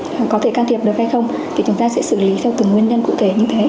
có thể can thiệp được hay không thì chúng ta sẽ xử lý theo từng nguyên nhân cụ thể như thế